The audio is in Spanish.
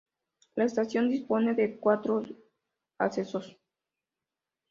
La estación dispone de cuatro accesos.